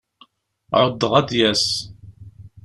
Ɛuddeɣ ad d-yas.